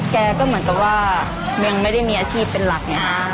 แกก็เหมือนกับว่ายังไม่ได้มีอาชีพเป็นหลักไง